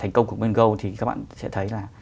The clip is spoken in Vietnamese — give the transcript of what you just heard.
thành công của pokemon go thì các bạn sẽ thấy là